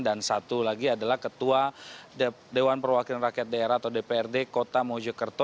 dan satu lagi adalah ketua dewan perwakilan rakyat daerah atau dprd kota mojokerto